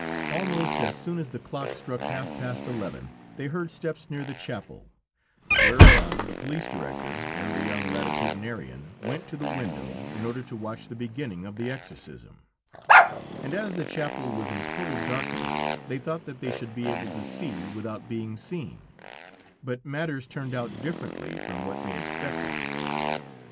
Almost as soon as the clock struck half past eleven, they heard steps near the chapel, whereupon the police director and the young Latitudinarian went to the window, in order to watch the beginning of the exorcism, and as the chapel was in total darkness, they thought that they should be able to see, without being seen; but matters turned out differently from what they expected.